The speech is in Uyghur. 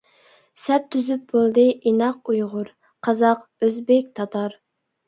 سەپ تۈزۈپ بولدى ئىناق ئۇيغۇر، قازاق، ئۆزبېك، تاتار!